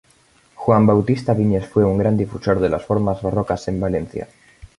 Juan Bautista Viñes fue un gran difusor de las formas barrocas en Valencia.